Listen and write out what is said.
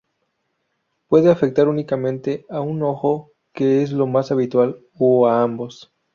Puede afectar únicamente a un ojo que es lo más habitual, o a ambos.